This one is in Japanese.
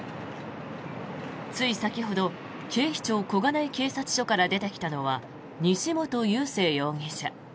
つい先ほど警視庁小金井警察署から出てきたのは西本佑聖容疑者。